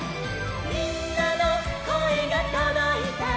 「みんなのこえがとどいたら」